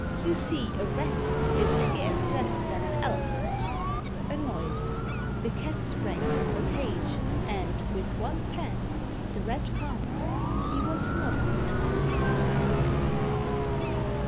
You see, a Rat Is scarce less than an Elephant." A noise! The Cat sprang from her cage; and, with one pant, The Rat found he was not an Elephant.